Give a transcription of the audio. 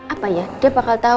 apa ya dia bakal tahu